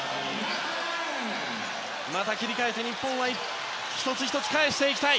切り替えて日本は１つ１つ返していきたい。